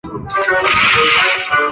通常不单独地作为正餐。